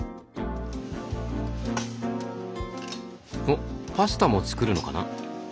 おっパスタも作るのかな？